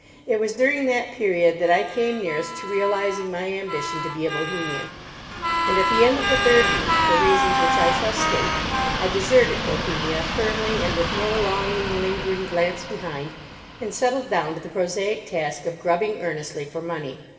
It was during that period that I came nearest to realising my ambition to be a Bohemian; and at the end of the third week, for reasons which I shall state, I deserted Bohemia, firmly and with no longing, lingering glance behind, and settled down to the prosaic task of grubbing earnestly for money.